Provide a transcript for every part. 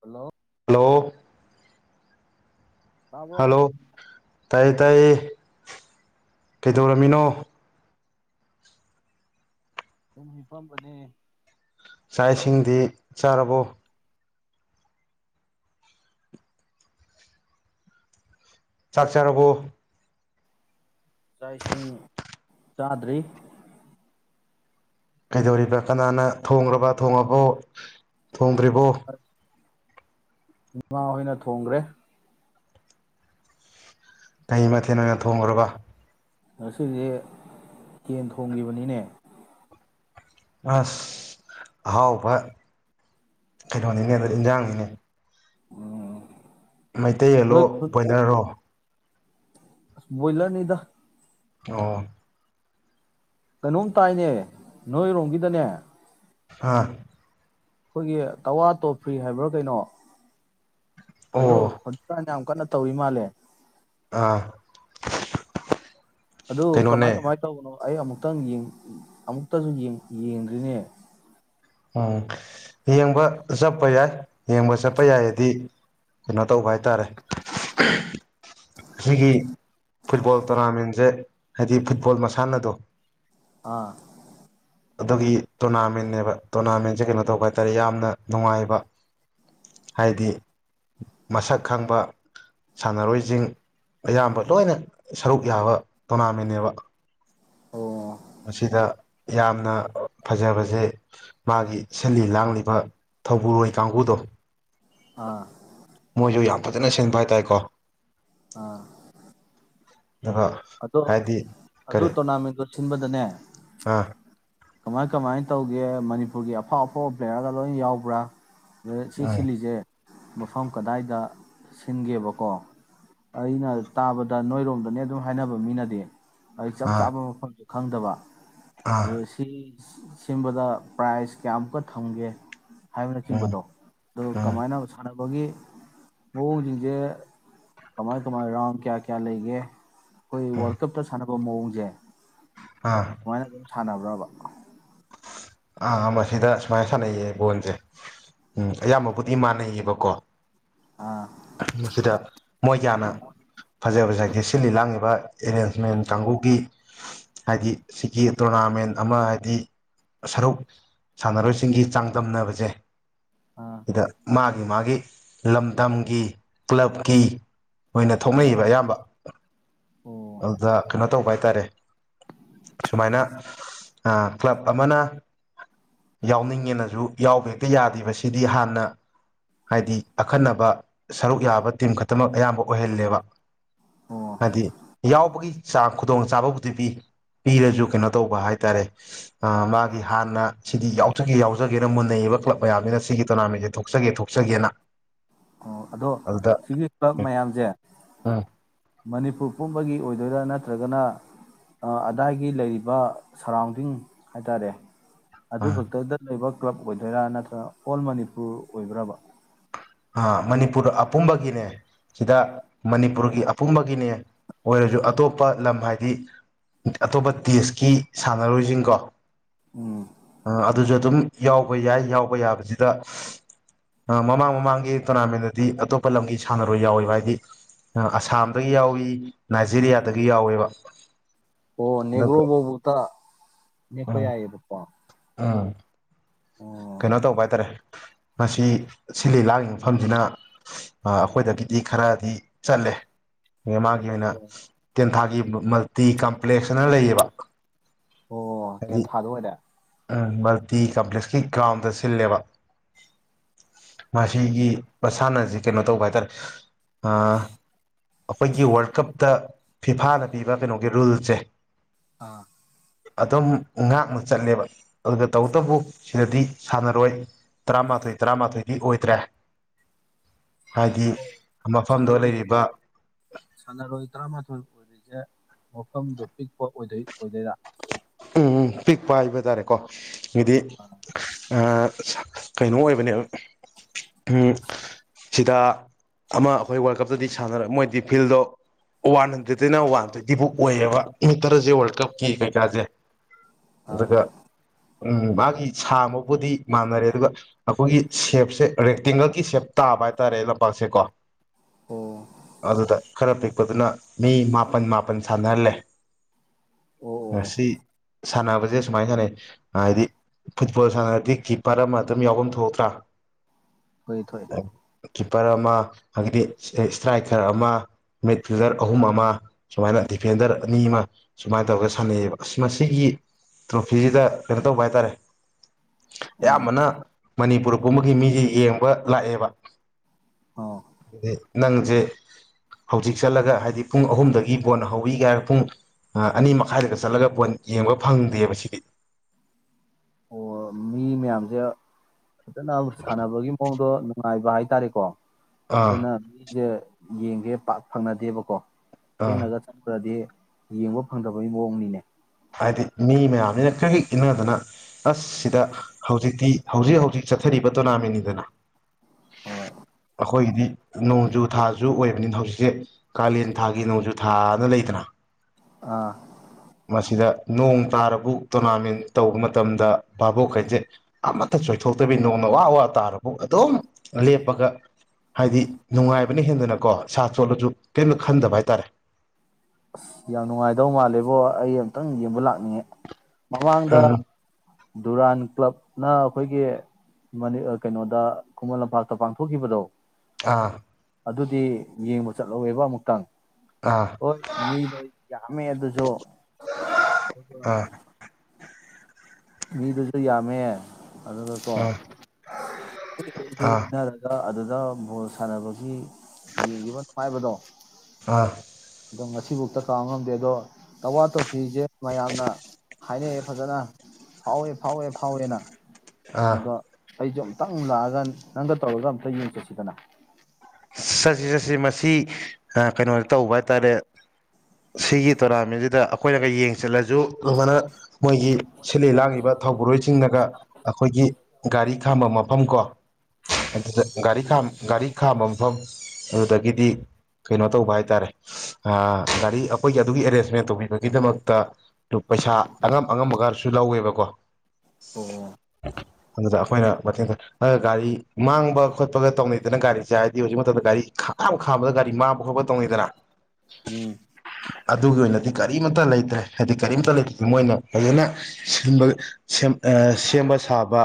hello hello hello ꯇꯥꯕ꯭ꯔꯣ ꯇꯥꯏꯌꯦ ꯇꯥꯏꯌꯦ ꯀꯩꯗꯧꯔꯝꯃꯤꯅꯣ ꯁꯨꯝ ꯍꯤꯄꯝꯕꯅꯦ ꯆꯥꯛ ꯏꯁꯤꯡꯗꯤ ꯆꯥꯔꯕꯣ ꯆꯥꯛ ꯆꯥꯔꯕꯣ ꯆꯥꯛ ꯏꯁꯤꯡ ꯆꯥꯗ꯭ꯔꯤ ꯀꯩꯗꯧꯔꯤꯕ ꯀꯅꯥꯅ ꯊꯣꯡꯒ꯭ꯔꯕ ꯊꯣꯉꯕꫭ ꯊꯣꯡꯗ꯭ꯔꯤꯕꯣ ꯃꯃꯥꯍꯣꯏꯅ ꯊꯣꯡꯒ꯭ꯔꯦ ꯀꯩ ꯃꯊꯦꯟ ꯑꯣꯏꯅ ꯊꯣꯡꯒ꯭ꯔꯕꯥ ꯉꯁꯤꯗꯤ ꯌꯦꯟ ꯊꯣꯡꯒꯤꯕꯅꯤꯅꯦ ꯑꯁ ꯑꯍꯥꯎꯕ ꯀꯩꯅꯣꯅꯤꯅꯦ ꯗꯨꯗꯤ ꯏꯟꯖꯥꯡꯅꯤꯅꯦ ꯃꯩꯇꯩ ꯌꯦꯂꯣ ꯅꯣꯏ ꯈꯨꯟ ꯕꫭꯏꯂꯔ ꯔꯣ ꯑꯁ ꯕꫭꯏꯂꯔꯅꯤꯗ ꯑꯣ ꯀꯩꯅꯣꯝ ꯇꯥꯏꯅꯦ ꯅꯣꯏꯔꯣꯝꯒꯤꯗꯅꯦ ꯍꯥꯥ ꯑꯈꯣꯏꯒꯤ ꯀꯛꯋꯥ ꯇꯣꯐ꯭ꯔꯤ ꯍꯥꯏꯕ꯭ꯔꯥ ꯀꯩꯅꯣ ꯑꯣ ꯑꯗꯣ ꯍꯧꯖꯤꯛ ꯀꯥꯟ ꯌꯥꯝ ꯀꯟꯅ ꯇꯧꯔꯤ ꯃꯥꯜꯂꯦ ꯑꯥ [unintelligible] ꯑꯗꯨ ꯀꯩꯅꯣꯅꯦ ꯀꯃꯥꯏ ꯀꯃꯥꯏ ꯇꯧꯕꯅꯣ ꯑꯩ ꯑꯃꯨꯛꯇꯪ ꯌꯦꯡ ꯑꯃꯨꯛꯇꯁꯨ ꯌꯦꯡ ꯌꯦꯡꯗ꯭ꯔꯤꯅꯦ ꯎꯝ ꯌꯦꯡꯕ ꯆꯠꯄ ꯌꯥꯏ ꯌꯦꯡꯕ ꯆꯠꯄ ꯌꯥꯏ ꯑꯗꯤ ꯀꯩꯅꯣ ꯇꯧꯕ ꯍꯥꯏꯇꯥꯔꯦ ꯁꯤꯒꯤꯒꯤ ꯐꯨꯠꯕꯣꯜ ꯇꯣꯔꯅꯥꯃꯦꯟꯁꯦ ꯍꯥꯏꯗꯤ ꯐꯨꯠꯕꯣꯜ ꯃꯁꯥꯟꯅꯗꯣ ꯑꯥ ꯑꯗꯨꯒꯤ ꯇꯣꯔꯅꯥꯃꯦꯟ ꯅꯦꯕ ꯇꯣꯔꯅꯥꯃꯦꯟꯁꯦ ꯀꯩꯅꯣ ꯇꯧꯕ ꯍꯥꯏꯇꯥꯔꯦ ꯌꯥꯝꯅ ꯅꯨꯡꯉꯥꯏꯕ ꯍꯥꯏꯗꯤ ꯃꯁꯛ ꯈꯪꯕ ꯁꯥꯟꯅꯔꯣꯏꯖꯤꯡ ꯑꯌꯥꯝꯕ ꯂꯣꯏꯅ ꯁꯔꯨꯛ ꯌꯥꯕ ꯇꯣꯔꯅꯥꯃꯦꯟꯅꯦꯕ ꯑꯣ ꯃꯁꯤꯗ ꯌꯥꯝꯅ ꯐꯖꯕꯁꯦ ꯃꯥꯒꯤ ꯁꯤꯜꯂꯤ ꯂꯥꯡꯂꯤꯕ ꯊꯧꯕꯨꯔꯣꯏ ꯀꯥꯡꯕꯨꯗꯣ ꯑꯥ ꯃꯣꯏꯁꯨ ꯌꯥꯝ ꯐꯖꯅ ꯁꯦꯝꯕ ꯍꯥꯏꯇꯥꯔꯦꯀꯣ ꯑꯥ ꯗꯕ ꯑꯗꯣ ꯍꯥꯏꯗꯤ ꯑꯗꯨ ꯀꯔꯤ ꯇꯣꯔꯅꯥꯃꯦꯟꯗꯣ ꯁꯤꯟꯕꯗꯅꯦ ꯑꯥ ꯀꯃꯥꯏ ꯀꯃꯥꯏꯅ ꯇꯧꯒꯦ ꯃꯅꯤꯄꯨꯔꯒꯤ ꯑꯐꯥꯎ ꯑꯐꯥꯎꯕ ꯄ꯭ꯂꯦꯌꯥꯔꯒ ꯂꯣꯏ ꯌꯥꯎꯕ꯭ꯔꯥ ꯑꯗ ꯁꯤ ꯎꯝ ꯁꯤꯜꯂꯤꯖꯦ ꯃꯐꯝ ꯀꯗꯥꯏꯗ ꯁꯤꯟꯒꯦꯕꯀꯣ ꯑꯩꯅ ꯇꯥꯕꯗ ꯅꯣꯏꯔꯣꯝꯗꯅꯦ ꯑꯗꯨꯝ ꯍꯥꯏꯅꯕ ꯃꯤꯅꯗꯤ ꯑꯩ ꯆꯞ ꯑꯥ ꯆꯥꯕ ꯃꯐꯝ ꯈꯪꯗꯕ ꯑꯥ ꯑꯗꯣ ꯁꯤ ꯁꯤꯟꯕꯗ ꯄ꯭ꯔꯥꯏꯖ ꯀꯌꯥꯃꯨꯛꯀ ꯊꯝꯒꯦ ꯎꯝ ꯍꯥꯏꯕꯅꯆꯤꯡꯕꯗꯣ ꯑꯗꯨ ꯎꯝ ꯀꯃꯥꯏꯅ ꯃꯣꯏꯒꯤ ꯃꯑꯣꯡꯁꯤꯡꯁꯦ ꯀꯃꯥꯏ ꯀꯃꯥꯏ ꯔꯥꯎꯟ ꯀꯌꯥ ꯀꯌꯥ ꯂꯩꯒꯦ ꯑꯩꯈꯣꯏ ꯎꯝ ꯋꯥꯔꯜ ꯀꯞꯇ ꯁꯥꯟ ꯑꯥ [unintelligible] [unintelligible] ꯁꯥꯟꯅꯕ꯭ꯔꯕ ꯑꯥ ꯃꯁꯤꯗ ꯁꯨꯃꯥꯏꯅ ꯁꯥꯟꯅꯩꯌꯦ ꯕꯣꯟꯁꯦ ꯎꯝ ꯑꯌꯥꯝꯕꯕꯨꯗꯤ ꯃꯥꯟꯅꯩꯌꯦꯕꯀꯣ ꯑꯥ ꯃꯁꯤꯗ ꯃꯣꯏ ꯀꯌꯥꯅ ꯐꯖꯕꯖ ꯁꯤꯜꯂꯤ ꯂꯥꯡꯂꯤꯤꯕ ꯑꯦꯔꯦꯟꯖꯃꯦꯟ ꯀꯥꯡꯕꯨꯒꯤ ꯍꯥꯏꯗꯤ ꯁꯤꯒꯤ ꯇꯣꯔꯅꯥꯃꯦꯟ ꯑꯃ ꯍꯥꯏꯗꯤ ꯁꯔꯨꯛ ꯁꯥꯟꯅꯔꯣꯏꯁꯤꯡꯒꯤ ꯆꯥꯡꯗꯝꯅꯕꯁꯦ ꯑꯥ [unintelligible] ꯃꯥꯒꯤ ꯃꯥꯒꯤ ꯂꯝꯗꯝꯒꯤ ꯀ꯭ꯂꯕꯀꯤ ꯃꯣꯏꯅ ꯑꯥ ꯊꯣꯛꯅꯩꯕ ꯑꯌꯥꯝꯕ ꯑꯣ ꯑꯗꯨꯗ ꯀꯩꯅꯣ ꯇꯧꯕ ꯍꯥꯏ ꯇꯔꯦ ꯁꯨꯃꯥꯏꯅ ꯀ꯭ꯂꯕ ꯑꯃꯅ ꯌꯥꯎꯅꯤꯡꯉꯦꯅꯁꯨ ꯌꯥꯎꯕ ꯍꯦꯛꯇ ꯌꯥꯗ꯭ꯔꯤꯕꯁꯤꯗꯤ ꯍꯥꯟꯅ ꯍꯥꯏꯗꯤ ꯑꯈꯟꯅꯕ ꯁꯔꯨꯛ ꯌꯥꯕ ꯇꯤꯝ ꯈꯛꯇꯃꯛ ꯑꯌꯥꯝꯕ ꯑꯣꯏꯍꯜꯂꯦꯕ ꯑꯣ ꯍꯥꯏꯗꯤ ꯌꯥꯎꯕꯒꯤ ꯆꯥꯡ ꯈꯨꯗꯣꯡ ꯆꯥꯕꯕꯨꯗꯤ ꯄꯤ ꯄꯤꯔꯁꯨ ꯀꯩꯅꯣ ꯇꯧꯕ ꯍꯥꯏ ꯇꯔꯦ ꯃꯥꯒꯤ ꯍꯥꯟꯅ ꯁꯤꯗꯤ ꯌꯥꯎꯖꯒꯦ ꯌꯥꯎꯖꯒꯦꯅ ꯃꯨꯟꯅꯩꯌꯦꯕ ꯀ꯭ꯂꯕ ꯃꯌꯥꯝꯅꯤꯅ ꯁꯤꯒꯤ ꯇꯣꯔꯅꯥꯃꯦꯟꯁꯦ ꯊꯣꯛꯆꯒꯦ ꯊꯣꯛꯆꯒꯦꯅ ꯑꯣ ꯑꯗꯣ ꯑꯗꯨꯗ ꯁꯤꯒꯤ ꯀ꯭ꯂꯕ ꯃꯌꯥꯝꯁꯦ ꯃꯅꯤꯄꯨꯔ ꯄꯨꯝꯕꯒꯤ ꯑꯣꯏ ꯑꯗꯨꯗ ꯅꯠꯇ꯭ꯔꯒꯅ ꯑꯗꯥꯏꯒꯤ ꯂꯩꯔꯤꯕ ꯁꯔꯥꯎꯟꯗꯤꯡ ꯍꯥꯏꯇꯥꯔꯦ ꯑꯗꯨ ꯐꯛꯇꯗ ꯏꯕ ꯀ꯭ꯂꯕ ꯑꯣꯏꯗꯣꯏꯔꯥ ꯅꯠꯇ꯭ꯔꯒ ꯑꯣꯜ ꯃꯅꯤꯄꯨꯔ ꯑꯣꯏꯕ꯭ꯔꯕ ꯃꯅꯤꯄꯨꯔ ꯑꯄꯨꯝꯕꯒꯤꯅꯦ ꯁꯤꯗ ꯃꯅꯤꯄꯨꯔꯒꯤ ꯑꯄꯨꯝꯕꯒꯤꯅꯦ ꯑꯣꯏꯔꯁꯨ ꯑꯇꯣꯞꯄ ꯂꯝ ꯍꯥꯏꯗꯤ ꯑꯇꯣꯞꯄ ꯗꯦꯁꯀꯤ ꯁꯥꯟꯅꯔꯣꯏꯁꯤꯡꯀꯣ ꯎꯝ ꯑ ꯑꯗꯨ ꯑꯗꯨ ꯑꯗꯨ ꯌꯥꯎꯕ ꯌꯥꯏ ꯌꯥꯎꯕ ꯌꯥꯕꯁꯤꯗ ꯃꯃꯥꯡ ꯃꯃꯥꯡ ꯒꯤ ꯇꯣꯔꯅꯥꯃꯦꯟꯗꯗꯤ ꯑꯇꯣꯞꯄ ꯂꯝꯒꯤ ꯁꯥꯟꯅꯔꯣꯏ ꯌꯥꯎꯋꯦꯕ ꯍꯥꯏꯗꯤ ꯑꯁꯥꯝꯗꯒꯤ ꯌꯥꯎꯏ ꯅꯥꯏꯖꯦꯔꯤꯌꯥꯗꯒꯤ ꯌꯥꯎꯋꯦꯕ ꯑꯣ ꯅꯦꯒ꯭ꯔꯣ ꯑꯗꯨꯒ ꯐꯕꯇ ꯅꯦꯛꯞꯄ ꯎꯝ ꯌꯥꯏꯌꯦꯕꯄ [unintelligible] ꯀꯩꯅꯣ ꯇꯧꯕ ꯍꯥꯏꯇꯥꯔꯦ ꯃꯁꯤ ꯁꯤ ꯂꯤ ꯂꯥꯡꯉꯤꯕ ꯃꯐꯝꯁꯤꯅ ꯑꯩꯈꯣꯏꯗꯒꯤꯗꯤ ꯈꯔꯗꯤ ꯆꯜꯂꯦ ꯃꯥꯒꯤ ꯑꯣꯏꯅ ꯇꯦꯟ ꯊꯥꯒꯤ ꯃꯜꯇꯤ ꯀꯝꯄ꯭ꯂꯦꯛꯁꯅ ꯂꯩꯌꯦꯕ ꯑꯣ ꯇꯦꯟ ꯊꯥꯗ ꯑꯣꯏꯔꯦ ꯎꯝ ꯃꯜꯇꯤ ꯀꯝꯄ꯭ꯂꯦꯛꯁꯇ ꯒ꯭ꯔꯥꯝꯗ ꯁꯤꯜꯂꯦꯕ ꯃꯁꯤꯒꯤ ꯎꯝ ꯃꯁꯥꯟꯅ ꯍꯧ ꯀꯩꯅꯣ ꯇꯧꯕ ꯍꯥꯏꯇꯥꯔꯦ ꯑꯩꯈꯣꯏꯒꯤ ꯋꯥꯔꯜ ꯀꯞꯇ ꯐꯤꯐꯥꯅ ꯄꯤꯕ ꯀꯩꯅꯣꯒꯤ ꯔꯨꯜꯁꯦ ꯑꯥ ꯑꯗꯨꯝ ꯉꯥꯛꯅ ꯆꯠꯂꯦꯕ ꯑꯗꯨꯒ ꯇꯧꯕꯇꯕꯨ ꯁꯤꯗꯗꯤ ꯁꯥꯟꯅꯔꯣꯏ ꯇꯔꯥꯃꯥꯊꯣꯏ ꯇꯔꯥꯃꯥꯊꯣꯏꯗꯤ ꯑꯣꯏꯗ꯭ꯔꯦ ꯍꯥꯏꯗꯤ ꯃꯐꯝꯗꫭ ꯁꯥꯟꯅꯔꯣꯏ ꯂꯩꯔꯤꯕ ꯃꯐꯝꯗꯨ ꯄꯤꯛꯄ ꯑꯣꯏꯗꯣꯏ ꯑꯣꯏꯗꯣꯏꯔꯥ ꯎꯝ ꯎꯝ ꯄꯤꯛꯄ ꯍꯥꯏꯕ ꯇꯥꯔꯦꯀꯣ ꯁꯤꯗꯤ ꯑꯥ ꯁ ꯀꯩꯅꯣ ꯑꯣꯏꯕꯅꯦꯕ ꯎꯝ ꯁꯤꯗ ꯑꯃ ꯑꯈꯣꯏ ꯋꯥꯔꯜ ꯀꯞꯇꯗꯤ ꯁꯥꯟꯅꯔ ꯃꯣꯏꯗꯤ ꯐꯤꯜꯗꯣ ꯋꯥꯟ ꯍꯟꯗ꯭ꯔꯦꯗꯇꯩꯅ ꯋꯥꯟ ꯇ꯭ꯋꯦꯟꯇꯤꯐꯥꯎ ꯑꯣꯏꯌꯦꯕ ꯃꯤ ꯇꯔꯦꯁꯦ ꯋꯥꯔꯜ ꯀꯞꯀꯤ ꯀꯩꯀꯥꯁꯦ ꯑꯥ ꯗꯨꯒ ꯎꯝ ꯃꯥꯒꯤ ꯁꯥꯡꯕꯕꯨꯗꯤ ꯃꯥꯟꯅꯔꯦ ꯗꯨꯒ ꯑꯈꯣꯏꯒꯤ ꯁꯦꯞꯁꯦ ꯔꯦꯛꯇꯦꯡꯒꯜꯒꯤ ꯁꯦꯞ ꯇꯥꯕ ꯍꯥꯏ ꯇꯥꯔꯦ ꯂꯝꯄꯥꯛꯁꯦꯀꯣ ꯑꯣ ꯑꯗꯨꯗ ꯈꯔ ꯄꯤ ꯄꯗꯨꯅ ꯃꯤ ꯃꯥꯄꯟ ꯃꯥꯄꯟ ꯁꯥꯟꯅꯍꯜꯂꯦ ꯑꯣ ꯑꯣ ꯑꯣ ꯉꯁꯤ ꯁꯥꯟꯅꯕꯁꯦ ꯁꯨꯃꯥꯏꯅ ꯁꯥꯟꯅꯩ ꯍꯥꯏꯗꯤ ꯐꯨꯠꯕꯣꯜ ꯁꯥꯟꯅꯔꯗꯤ ꯀꯤꯞꯄꯔ ꯑꯃ ꯑꯗꯨꯝ ꯌꯥꯎꯐꯝ ꯊꯣꯛꯇ꯭ꯔꯥ ꯍꫭꯏ ꯊꫭꯛꯑꯦ ꯀꯤꯞꯄꯔ ꯑꯃ ꯑꯗꯤ ꯁꯇ꯭ꯔꯥꯏꯀꯔ ꯑꯃ ꯃꯤꯗ ꯐꯤꯜꯗꯔ ꯑꯍꯨꯝ ꯑꯃ ꯁꯨꯃꯥꯏꯅ ꯗꯤꯐꯦꯟꯗꯔ ꯑꯅꯤ ꯑꯃ ꯁꯨꯃꯥꯏꯅ ꯇꯧꯔꯒ ꯁꯥꯟꯅꯩꯑꯕ ꯑꯁ ꯃꯁꯤꯒꯤ ꯇ꯭ꯔꯣꯐꯤꯁꯤꯗ ꯀꯩꯅꯣ ꯇꯧꯕ ꯍꯥꯏꯇꯥꯔꯦ ꯎꯝ ꯑꯌꯥꯝꯕꯅ ꯃꯅꯤꯄꯨꯔ ꯒꯨꯝꯕꯒꯤ ꯃꯤꯒꯩ ꯌꯦꯡꯕ ꯂꯥꯛꯑꯦꯕ ꯑꯣ ꯑꯗꯨꯗꯩ ꯅꯪꯖꯦ ꯍꯧꯖꯤꯛ ꯆꯠꯂꯒ ꯍꯥꯏꯗꯤ ꯄꯨꯡ ꯑꯍꯨꯝꯗꯒꯤ ꯕꯣꯟꯅ ꯍꯧꯋꯤꯒ ꯍꯥꯏꯔ ꯄꯨꯡ ꯑꯅꯤ ꯃꯈꯥꯏꯗꯒ ꯆꯠꯂꯒ ꯕꫭꯟ ꯌꯦꯡꯕ ꯐꯪꯗꯦꯕ ꯁꯤꯗꯤ ꯑꯣ ꯃꯤ ꯃꯌꯥꯝꯁꯦ ꯐꯖꯅ ꯁꯥꯟꯅꯕꯒꯤ ꯃꯑꯣꯡꯗ ꯅꯨꯡꯉꯥꯏꯕ ꯍꯥꯏ ꯇꯥꯔꯦꯀꫭ ꯑꯥ ꯑꯗꯨꯅ ꯃꯤꯖꯦ ꯌꯦꯡꯒꯦ ꯄꯥꯛ ꯐꯪꯅꯗꯦꯕꯀꯣ ꯑꯥ ꯊꯦꯡꯅꯒ ꯆꯠꯄꯗꯗꯤ ꯌꯦꯡꯕ ꯐꯪꯗꯕꯒꯤ ꯃꯑꯣꯡꯅꯤꯅꯦ ꯍꯥꯏꯗꯤ ꯃꯤ ꯃꯌꯥꯝꯁꯤꯅ ꯀ꯭ꯔꯤꯛ ꯀ꯭ꯔꯤꯛ ꯏꯟꯅꯗꯅ ꯑꯁ ꯁꯤꯗ ꯍꯧꯖꯤꯛꯇꯤ ꯍꯧꯖꯤꯛ ꯍꯧꯖꯤꯛ ꯆꯠꯊꯔꯤꯕ ꯇꯣꯔꯅꯥꯃꯦꯟꯅꯤꯗꯅ ꯍꯣꯏ ꯑꯈꯣꯏꯒꯤꯗꯤ ꯅꯣꯡꯖꯨ ꯊꯥꯁꯨ ꯑꯣꯏꯕꯅꯤꯅ ꯍꯧꯖꯤꯛꯁꯦ ꯀꯥꯂꯦꯟ ꯊꯥꯒꯤ ꯅꯣꯡꯖꯨ ꯊꯥꯑꯅ ꯂꯩꯗꯅ ꯑꯥ ꯃꯁꯤꯗ ꯅꯣꯡ ꯇꯥꯔꯕꯨꯛ ꯇꯣꯔꯅꯥꯃꯦꯟ ꯇꯧꯕ ꯃꯇꯝꯗ ꯚꯥꯕꯣꯛꯈꯩꯁꯦ ꯑꯃꯠꯇ ꯆꯣꯏꯊꯣꯛꯇꯕꯤ ꯅꯣꯡꯅ ꯋꯥ ꯋꯥ ꯇꯥꯔꯕꯧ ꯑꯗꯨꯝ ꯂꯦꯞꯄꯒ ꯍꯥꯏꯗꯤ ꯅꯨꯡꯉꯥꯏꯕꯅ ꯍꯦꯟꯗꯅꯀꯣ ꯏꯁꯥ ꯆꯣꯠꯂꯖꯨ ꯀꯩꯝꯅ ꯈꯟꯗꯕ ꯍꯥꯏꯇꯥꯥꯔꯦ ꯑꯁ ꯌꯥꯝ ꯅꯨꯡꯉꯥꯏꯗꯧ ꯃꯥꯜꯂꯦꯕꯣ ꯑꯩ ꯑꯃꯨꯛꯇꯪ ꯌꯦꯡꯕ ꯂꯥꯛꯅꯤꯡꯉꯦ ꯃꯃꯥꯡꯗ ꯎꯝ ꯗꯨꯔꯥꯟ ꯀ꯭ꯂꯕꯅ ꯑꯈꯣꯏꯒꯤ ꯃꯅꯤ ꯑ ꯀꯩꯅꯣꯗ ꯈꯨꯃꯟ ꯂꯝꯄꯥꯛꯇ ꯄꯥꯡꯊꯣꯛꯈꯤꯕꯗꯣ ꯑꯥ ꯑꯗꯨꯗꯤ ꯌꯦꯡꯕ ꯆꯠꯍꯧꯋꯦꯕ ꯑꯃꯨꯛꯇꯪ ꯑꯥ ꯍꯣꯏ ꯃꯤꯗꯣ ꯌꯥꯝꯃꯦ ꯑꯗꯨꯁꯨ ꯑꯥ ꯃꯤꯗꯨꯁꯨ ꯌꯥꯝꯃꯦ ꯑꯗꯨꯗꯀꯣ ꯑꯥ ꯀ꯭ꯔꯤꯛ ꯀ꯭ꯔꯤꯛ ꯑꯥ ꯏꯟꯅꯔꯒ ꯑꯗꯨ ꯑꯗ ꯚꯣꯜ ꯁꯥꯟꯅꯕꯒꯤ ꯌꯦꯡꯈꯤꯕꯅꯨꯡ ꯄꯥꯏꯕꯗꯣ ꯑꯥ ꯑꯗꯣ ꯉꯁꯤꯐꯥꯎꯗ ꯀꯥꯎꯕ ꯉꯝꯗꯦ ꯑꯗꯣ ꯇꯛꯋꯥ ꯇ꯭ꯔꯣꯐꯤꯁꯦ ꯃꯌꯥꯝꯅ ꯍꯥꯏꯅꯩꯌꯦ ꯐꯖꯅ ꯐꯥꯎꯋꯦ ꯐꯥꯎꯋꯦ ꯐꯥꯎꯋꯦꯅꯥ ꯑꯥ ꯑꯗ ꯑꯩꯁꯨ ꯑꯃꯨꯛꯇꯪ ꯂꯥꯛꯑꯒ ꯅꯪꯒ ꯇꯧꯔꯒ ꯑꯝꯇ ꯌꯦꯡꯊꯣꯛꯁꯤꯗꯅ ꯆꯠꯁꯤ ꯆꯠꯁꯤ ꯃꯁꯤ ꯀꯩꯅꯣ ꯇꯧꯕ ꯍꯥꯏ ꯇꯥꯔꯦ ꯁꯤꯒꯤ ꯇꯣꯔꯅꯥꯃꯦꯟꯠꯁꯤꯗ ꯑꯩꯈꯣꯏꯅꯒ ꯌꯦꯡ ꯆꯜꯂꯁꯨ ꯑꯗꯨꯃꯥꯏꯅ ꯃꯣꯏꯒꯤ ꯁꯤꯜꯂꯤ ꯂꯥꯡꯉꯤꯕ ꯊꯧꯕꯨꯔꯣꯏꯁꯤꯡꯅꯒ ꯑꯩꯈꯣꯏꯒꯤ ꯒꯥꯔꯤ ꯈꯥꯝꯕꯝ ꯐꯝꯀꯣ ꯑꯗꯨꯗ ꯒꯥꯔꯤ ꯈꯥꯝ ꯒꯥꯔꯤ ꯈꯝꯕ ꯑꯗꯨꯗꯒꯤꯗꯤ ꯀꯩꯅꯣ ꯇꯧꯕ ꯍꯥꯏꯇꯥꯔꯦ ꯒꯥꯔꯤ ꯑꯩꯈꯣꯏꯒꯤ ꯑꯗꯨꯒꯤ ꯑꯦꯔꯦꯟꯖꯃꯦꯟ ꯇꯧꯕꯤꯕꯒꯤꯗꯃꯛꯇ ꯄꯩꯁꯥ ꯑꯉꯝ ꯑꯉꯝꯕ ꯈꯔꯁꯨ ꯂꯧꯋꯦꯕꯀꯣ ꯑꯣ ꯑꯗꯨꯗ ꯑꯩꯈꯣꯏꯅ ꯃꯇꯦꯡ ꯒꯥꯔꯤ ꯃꯥꯡꯕ ꯈꯣꯠꯄꯒ ꯇꯧꯅꯩꯗꯅ ꯒꯥꯔꯤꯁꯦ ꯍꯥꯏ ꯍꯧꯖꯤꯛ ꯃꯇꯝꯗ ꯒꯥꯔꯤ ꯈꯝ ꯈꯥꯝꯕꯗ ꯒꯥꯔꯤ ꯃꯥꯡꯕ ꯈꯣꯠꯄ ꯇꯧꯅꯩꯗꯅ ꯎꯝ ꯑꯗꯨꯒꯤ ꯑꯣꯏꯅꯗꯤ ꯀꯔꯤꯝꯇ ꯂꯩꯇ꯭ꯔꯦ ꯍꯥꯏꯗꯤ ꯀꯔꯤꯝꯇ ꯂꯩꯇ꯭ꯔꯗꯤ ꯃꯣꯏꯅ ꯐꯖꯅ ꯁꯤꯟꯕ ꯑꯥ ꯁꯦꯝꯕ ꯁꯥꯕ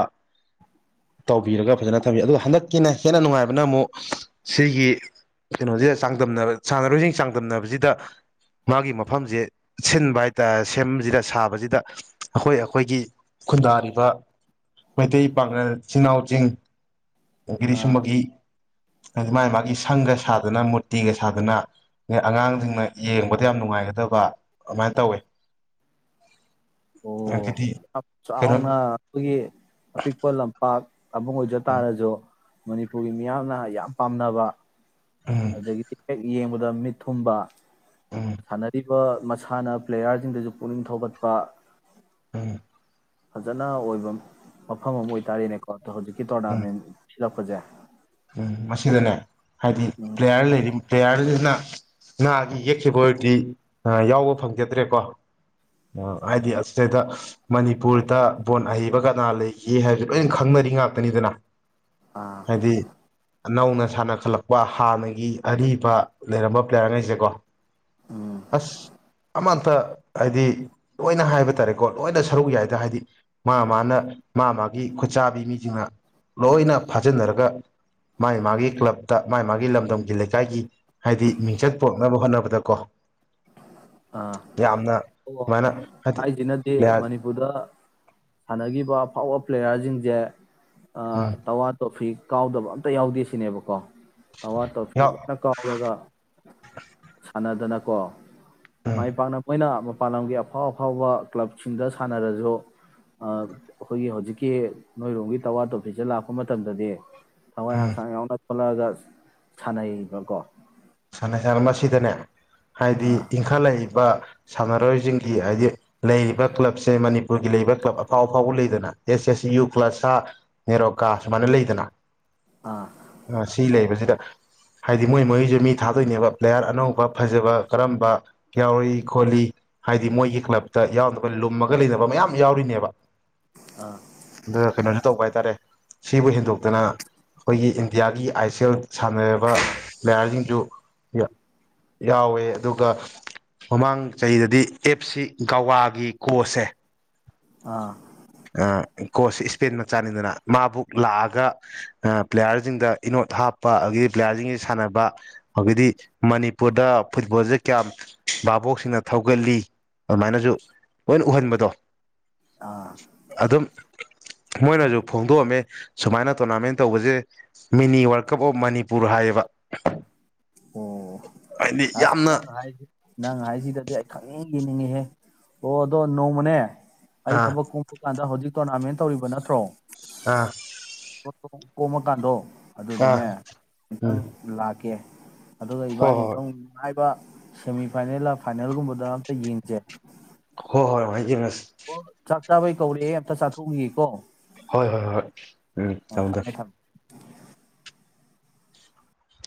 ꯇꯧꯕꯤꯔꯒ ꯐꯖꯅ ꯊꯝꯕꯤ ꯑꯗꯣ ꯍꯟꯗꯛꯀꯤꯅ ꯍꯦꯟꯅ ꯅꯨꯡꯉꯥꯏꯕꯅ ꯑꯃꯨꯛ ꯁꯤꯒꯤ ꯀꯩꯅꯣꯖꯦ ꯆꯥꯡꯗꯝꯅꯕ ꯁꯥꯟꯅꯔꯣꯏꯁꯤꯡ ꯆꯥꯡꯗꯝꯅꯕꯁꯤꯗ ꯃꯥꯒꯤ ꯃꯐꯝꯁꯦ ꯁꯤꯟꯕ ꯍꯥꯏꯇꯥꯔꯦ ꯁꯦꯝꯕꯁꯤꯗ ꯁꯥꯕꯁꯤꯗ ꯑꯩꯈꯣꯏ ꯑꯩꯈꯣꯏꯒꯤ ꯈꯨꯟꯗꯥꯔꯤꯕ ꯃꯩꯇꯩ ꯄꯥꯡꯒꯜ ꯏꯆꯤꯜ ꯏꯅꯥꯎꯁꯤꯡ ꯆꯤꯡ ꯒꯤꯔꯤ ꯑꯥ ꯁꯨꯝꯃꯒꯤ ꯍꯥꯏꯗꯤ ꯃꯥꯒꯤ ꯃꯥꯒꯤ ꯁꯪꯒ ꯁꯥꯗꯅ ꯃꯨꯔꯇꯤꯒ ꯁꯥꯗꯅ ꯑꯗꯩ ꯑꯉꯥꯡꯁꯤꯡꯅ ꯌꯦꯡꯕꯗ ꯌꯥꯝ ꯅꯨꯡꯉꯥꯏꯒꯗꯕ ꯑꯗꯨꯃꯥꯏꯅ ꯇꯧꯋꯦ ꯑꯣ ꯑꯗꯒꯤꯗꯤ ꯌꯥꯝ ꯀꯩꯅꯣ ꯆꯥꯎꯅ ꯑꯩꯈꯣꯏꯒꯤ ꯑꯄꯤꯛꯄ ꯂꯝꯄꯥꯛ ꯇꯥꯕꯨꯡ ꯑꯣꯏꯖ ꯇꯥꯔꯁꯨ ꯃꯅꯤꯄꯨꯔꯒꯤ ꯃꯤꯌꯥꯝꯅ ꯌꯥꯝ ꯄꯥꯝꯅꯕ ꯎꯝ ꯑꯗꯒꯤꯗꯤ ꯍꯦꯛ ꯌꯦꯡ ꯕꯗ ꯃꯤꯠ ꯊꯨꯝꯕ ꯎꯝ ꯁꯥꯟꯅꯔꯤꯕ ꯃꯁꯥꯟꯅ ꯄ꯭ꯂꯦꯌꯥꯔꯁꯤꯡꯗꯁꯨ ꯄꯨꯛꯅꯤꯡ ꯊꯧꯒꯠꯄ ꯎꯝ ꯐꯖꯅ ꯑꯣꯏꯕ ꯃꯐꯝ ꯑꯃ ꯑꯣꯏꯇꯥꯔꯦꯅꯦꯀꯣ ꯍꯧꯖꯤꯛꯀꯤ ꯎꯝ ꯇꯣꯔꯅꯥꯃꯦꯟꯠ ꯁꯤꯜꯂꯛꯄꯖꯦ ꯎꯝ ꯃꯁꯤꯗꯅꯦ ꯃꯁꯤꯗꯥꯅꯦ ꯍꯥꯏꯗꯤ ꯎꯝ ꯄ꯭ꯂꯦꯌꯥꯔ ꯂꯩꯔꯤ ꯄ꯭ꯂꯦꯌꯥꯔꯁꯤꯅ ꯅꯒꯤ ꯌꯦꯛꯈꯤꯕ ꯑꯣꯏꯔꯗꯤ ꯌꯥꯎꯕ ꯐꯪꯖꯗ꯭ꯔꯦꯀꯣ ꯍꯥꯏꯗꯤ ꯑꯁꯤꯗꯩꯗ ꯃꯅꯤꯄꯨꯔꯗ ꯕꯣꯟ ꯑꯍꯩꯕ ꯀꯅꯥ ꯂꯩꯒꯦ ꯍꯥꯏꯕꯗꫭ ꯂꯣꯏ ꯈꯪꯅꯔꯤ ꯉꯥꯛꯇꯅꯤꯗꯅ ꯑꯥ ꯍꯥꯏꯗꯤ ꯅꯧꯅ ꯁꯥꯟꯅꯈꯠꯂꯛꯄ ꯍꯥꯟꯅꯒꯤ ꯑꯔꯤꯕ ꯂꯩꯔꯝꯕ ꯄ꯭ꯂꯦꯌꯥꯔꯉꯩꯁꯦꯀꯣ ꯎꯝ ꯑꯁ ꯑꯃꯇ ꯍꯥꯏꯗꯤ ꯂꯣꯏꯅ ꯍꯥꯏꯕ ꯇꯥꯔꯦꯀꯣ ꯂꯣꯏꯅ ꯁꯔꯨꯛ ꯌꯥꯏꯗ ꯍꯥꯏꯗꯤ ꯃꯥ ꯃꯥꯅ ꯃꯥ ꯃꯥꯒꯤ ꯈꯨꯠꯆꯥꯕꯤ ꯃꯤꯖꯤꯡꯅ ꯂꯣꯏꯅ ꯐꯥꯖꯤꯟꯅꯔꯒ ꯃꯥꯒꯤ ꯃꯥꯒꯤ ꯀ꯭ꯂꯞꯇ ꯃꯥꯒꯤ ꯃꯥꯒꯤ ꯂꯝꯗꯝꯒꯤ ꯂꯩꯀꯥꯏꯒꯤ ꯍꯥꯏꯗꯤ ꯃꯤꯡꯆꯠ ꯄꯨꯔꯛꯅꯕ ꯍꯣꯠꯅꯕꯗꯀꯣ ꯑꯥ ꯌꯥꯝꯅ ꯑꯣ ꯁꯨꯃꯥꯏꯅ ꯍꯥꯏꯗꯤ ꯍꯥꯏꯖꯤꯅꯗꯤ ꯄ꯭ꯂꯦꯌꯥꯔ ꯃꯅꯤꯄꯨꯔꯗ ꯁꯥꯟꯅꯈꯤꯕ ꯑꯐꯥꯎꯕ ꯄ꯭ꯂꯦꯌꯥꯔꯖꯤꯡꯖꯦ ꯑ ꯎꯝ ꯇꯋꯥ ꯇꯣꯐꯤ ꯀꯥꯎꯗꯕ ꯑꯝꯇ ꯌꯥꯎꯗꯦ ꯁꯤꯅꯦꯕꯀꯣ ꯇꯋꯥ ꯇꯣꯔꯐꯤ ꯌꯥꯎ ꯂꫭꯏꯅ ꯀꯥꯎꯔꯒ ꯁꯥꯟꯅꯗꯅ ꯀꯣ ꯎꯝ ꯃꯥꯏ ꯄꯥꯛꯅ ꯃꫭꯏꯅ ꯃꯄꯥꯟ ꯂꯝꯒꯤ ꯑꯐꯥꯎ ꯑꯐꯥꯎꯕ ꯀ꯭ꯂꯕꯁꯤꯡꯗ ꯁꯥꯟꯅꯔꯁꯨ ꯑ ꯑꯈꯣꯏꯒꯤ ꯍꯧꯖꯤꯛꯀꯤ ꯅꯣꯏꯔꯣꯝꯒꯤ ꯇꯋꯥ ꯇꯣꯐꯤꯁꯦ ꯂꯥꯛꯄ ꯃꯇꯝꯗꯗꯤ ꯊꯋꯥꯏ ꯎꯝ ꯍꯛꯆꯥꯡ ꯁꯥꯎꯅ ꯊꯣꯛꯂꯛꯑꯒ ꯁꯥꯟꯅꯩꯌꯦꯕꯀꯣ ꯁꯥꯅꯩ ꯃꯁꯤꯗꯅꯦ ꯍꯥꯏꯗꯤ ꯑꯥ ꯏꯪꯈꯠꯂꯛꯏ ꯕ ꯁꯥꯟꯅꯔꯣꯏꯖꯤꯡꯒꯤ ꯍꯥꯏꯗꯤ ꯂꯩꯔꯤꯕ ꯀ꯭ꯂꯕꯁꯦ ꯃꯅꯤꯄꯨꯔꯒꯤ ꯂꯩꯔꯤꯕ ꯀ꯭ꯂꯕ ꯑꯐꯥꯎ ꯑꯐꯥꯎꯕ ꯂꯩꯗꯅ ꯑꯦꯁ ꯑꯦꯁ ꯁꯤ ꯌꯨ ꯀ꯭ꯂ ꯁꯥ ꯅꯦꯔꯣꯀꯥ ꯁꯨꯃꯥꯏꯅ ꯂꯩꯗꯅ ꯑꯥ ꯑꯁꯤ ꯂꯩꯕꯖꯤꯗ ꯍꯥꯏꯗꯤ ꯃꯣꯏ ꯃꯣꯏꯖꯨ ꯃꯤ ꯊꯥꯗꯣꯛꯏꯅꯦꯕ ꯄ꯭ꯂꯦꯌꯥꯔ ꯑꯅꯧꯕ ꯐꯖꯕ ꯀꯔꯝꯕ ꯌꯥꯎꯔꯤ ꯈꯣꯠꯂꯤ ꯍꯥꯏꯗꯤ ꯃꯣꯏꯒꯤ ꯀ꯭ꯂꯕꯇ ꯌꯥꯎꯅꯕ ꯂꯨꯝꯃꯒ ꯂꯩꯅꯕ ꯃꯌꯥꯝ ꯌꯥꯎꯔꯤꯅꯦꯕ ꯑꯥ ꯑꯗꯨꯒ ꯀꯩꯅꯣꯖꯨ ꯇꯧꯕ ꯍꯥꯏꯇꯥꯔꯦ ꯁꯤꯕꯨ ꯍꯦꯟꯗꯣꯛꯇꯅ ꯑꯩꯈꯣꯏꯒꯤ ꯏꯟꯗꯤꯌꯥꯒꯤ ꯑꯥꯏ ꯁꯤ ꯑꯦꯜ ꯁꯥꯟꯅꯔꯕ ꯄ꯭ꯂꯦꯌꯥꯔꯁꯤꯡꯖꯨ ꯌꯥ ꯌꯥꯎꯋꯦ ꯑꯗꯨꯒ ꯃꯃꯥꯡ ꯆꯍꯤꯗꯗꯤ ꯑꯦꯞ ꯁꯤ ꯒꯋꯥꯒꯤ ꯀꯣꯁꯦ ꯑꯥ ꯀꯣꯁꯁꯦ ꯏꯁꯄꯦꯟ ꯃꯆꯥꯅꯤꯗꯅ ꯃꯥꯕꯨ ꯂꯥꯛꯑꯒ ꯄ꯭ꯂꯦꯌꯥꯔꯖꯤꯡꯗ ꯏꯅꯣꯠ ꯍꯥꯞꯄ ꯑꯗꯒꯤ ꯄ꯭ꯂꯦꯌꯥꯔꯖꯤꯡꯖꯦ ꯁꯥꯟꯅꯕ ꯑꯗꯒꯤꯗꯤ ꯃꯅꯤꯄꯨꯔꯗ ꯐꯨꯠꯕꯣꯜꯚꯩ ꯀꯌꯥꯝ ꯚꯥꯕꯣꯛꯁꯤꯡꯅ ꯊꯧꯒꯠꯂꯤ ꯑꯗꯨꯃꯥꯏꯅꯁꯨ ꯂꯣꯏ ꯎꯍꯟꯕꯗꯣ ꯑꯥ ꯑꯗꯨꯝ ꯃꯣꯏꯅꯖꯨ ꯐꯣꯡꯗꯣꯛꯑꯝꯃꯦ ꯁꯨꯃꯥꯏꯅ ꯇꯣꯔꯅꯥꯃꯦꯟ ꯇꯧꯕꯖꯦ mini world cup of Manipur ꯍꯥꯏꯌꯦꯕ ꯑꯣ ꯍꯥꯏꯗꯤ ꯑꯁ ꯌꯥꯝꯅ ꯅꯪ ꯍꯥꯏꯁꯤ ꯅꯪ ꯍꯥꯏꯁꯤꯗꯗꯤ ꯑꯩ ꯈꯪꯅꯤꯡ ꯌꯦꯡꯅꯤꯡꯉꯦꯍꯦ ꯑꯣ ꯑꯗꯣ ꯅꯣꯡꯃꯅꯦ ꯑꯩꯥꯏ ꯑꯥ ꯊꯕꯛ ꯀꯨꯝꯃ ꯀꯟꯗ ꯍꯧꯖꯤ ꯇꯣꯔꯅꯥ ꯃꯦꯟ ꯇꯧꯔꯤꯕ ꯅꯠꯇ꯭ꯔꯣ ꯑꯥ [unintelligible] ꯀꫭꯝꯃꯥ ꯀꯥꯟꯗꯣ ꯑꯥ ꯑꯗꯨꯗꯨꯅꯦ ꯑꯝꯇꯪ ꯎꯝ ꯂꯥꯛꯀꯦ ꯑꯗꯨꯒ ꯏꯕꯥꯅꯤ ꯍꯣꯏ ꯑꯝꯇꯪ ꯅꯨꯡꯉꯥꯏꯕ ꯁꯦꯃꯤ ꯐꯥꯏꯅꯦꯜꯂ ꯐꯥꯏꯅꯦꯜꯒꯨꯝꯕꯗ ꯑꯝꯇ ꯌꯦꯡꯁꯦ ꯍꯣ ꯍꯣꯏ ꯍꯣꯏ ꯌꯦꯡꯉꯁꯦ ꯑꯣ ꯆꯥꯛ ꯆꯥꯕꯩ ꯀꯧꯔꯛꯑꯦ ꯑꯝꯇ ꯆꯥꯊꯣꯛꯎ ꯒꯤꯒꯦꯀꯣ ꯍꯣꯏ ꯍꯣꯏ ꯍꯣꯏ ꯎꯝ ꯊꯝꯃꯦ ꯊꯝꯃꯦ